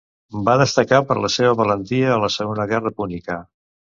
Va destacar per la seva valentia a la Segona Guerra Púnica.